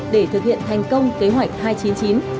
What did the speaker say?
để thực hiện thành công kế hoạch hai trăm chín mươi chín